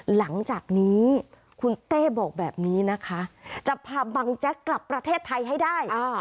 หลังจากนี้คุณเต้บอกแบบนี้นะคะจะพาบังแจ๊กกลับประเทศไทยให้ได้